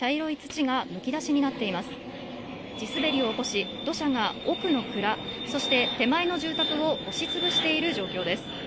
地滑りを起こし土砂が奥の倉、そして手前の住宅を押しつぶしている状況です